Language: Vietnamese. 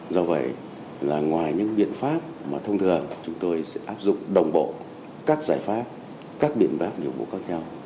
do vậy là ngoài những biện pháp mà thông thường chúng tôi sẽ áp dụng đồng bộ các giải pháp các biện pháp nhiệm vụ khác nhau